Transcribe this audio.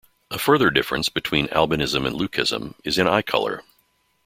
A further difference between albinism and leucism is in eye colour.